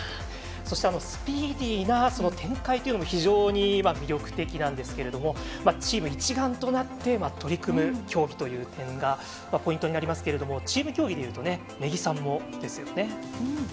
そしてスピーディーな展開というのも非常に魅力的なんですけれどもチーム、一丸となって取り組む競技という点がポイントになりますがチーム競技でいうと根木さんもですよね。